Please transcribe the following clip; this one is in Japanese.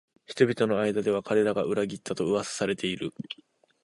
人々の間では彼らが裏切ったと噂されている